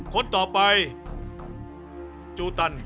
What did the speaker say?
คนต่อไปจูตัน